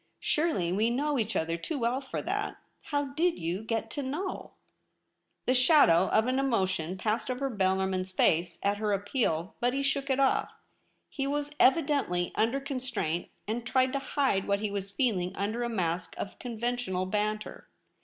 Surely we know each other too well for that. How did you get to know ?' The shadow of an emotion passed over Bellarmin's face at her appeal, but he shook it off. He was evidently under constraint, and tried to hide what he was feeling under a mask of conventional banter.